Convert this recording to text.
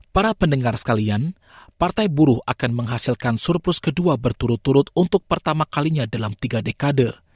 para pendengar sekalian partai buruh akan menghasilkan surplus kedua berturut turut untuk pertama kalinya dalam tiga dekade